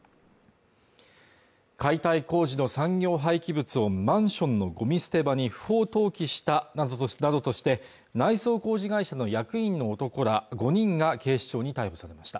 解体工事の産業廃棄物をマンションのゴミ捨て場に不法投棄したなどとして内装工事会社の役員の男ら５人が警視庁に逮捕されました